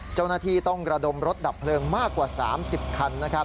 เจ้านาธีต้องกระดมรถดับเพลิงมากกว่า๓๐คัน